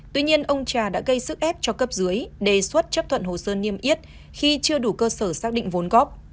tuy nhiên ông trà đã gây sức ép cho cấp dưới đề xuất chấp thuận hồ sơ niêm yết khi chưa đủ cơ sở xác định vốn góp